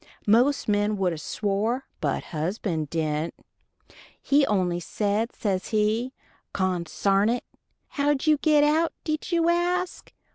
Most men would a swore, but husband dident. He only said, says he, "Consarn it." How did we get out, did you ask?